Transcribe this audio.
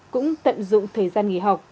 cũng tận dụng thời gian nghỉ học